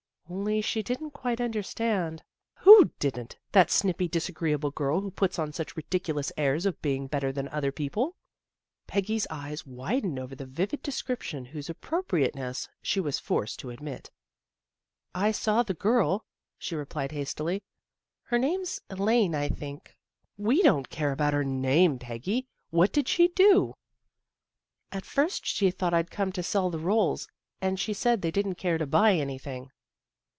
" "Only she didn't quite understand." " Who didn't? That snippy, disagreeable girl, who puts on such ridiculous airs of being better than other people? " Peggy's eyes widened over the vivid de scription whose appropriateness she was forced to admit. " I saw the girl," she replied hastily. " Her name's Elaine, I think." " We don't care about her name, Peggy. What did she do? "" At first she thought I'd come to sell the rolls, and she said they didn't care to buy anything."